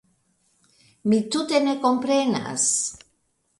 Mi tute ne komprenas!